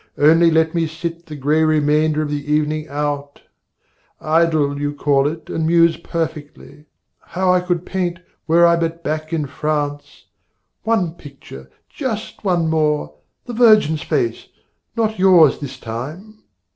Only let me sit The grey remainder of the evening out, Idle, you call it, and muse perfectly How I could paint, were I but back in France, One picture, just one more the Virgin's face, Not yours this time!